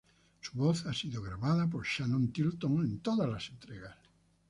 Su voz ha sido grabada por Shannon Tilton en todas las entregas.